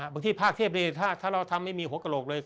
ที่ภาคเทพถ้าเราทำไม่มีหัวกระโหลกเลย